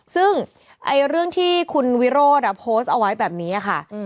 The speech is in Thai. ซึ่งเรื่องที่คุณวิโรธโพสต์เอาไว้แบบนี้ค่ะ